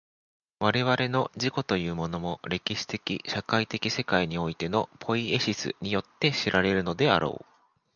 我々の自己というものも、歴史的社会的世界においてのポイエシスによって知られるのであろう。